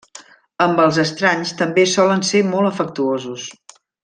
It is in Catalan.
Amb els estranys també solen ser molt afectuosos.